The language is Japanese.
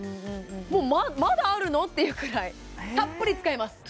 もうまだあるの！？っていうくらいたっぷり使えます